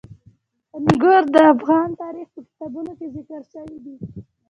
انګور د افغان تاریخ په کتابونو کې ذکر شوی دي.